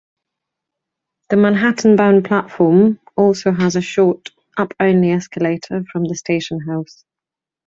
The Manhattan-bound platform also has a short, up-only escalator from the station house.